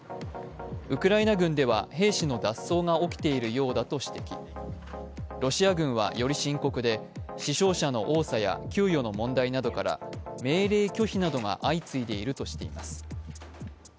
ウクライナ軍では兵士の脱走が起きているようだとし、ロシア軍はより深刻で、死傷者の多さや給与の問題などから命令拒否などが相次いでいるとしています。